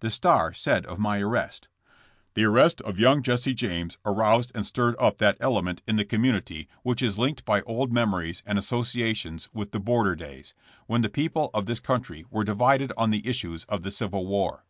The Star said of my arrest : *'The arrest of young Jesse James aroused and stirred up that element in the community which is THE I<EEDS HOLD UP. 181 linked by old memories and associations with the border days, when the people of this country were divided on the issues of the civil war.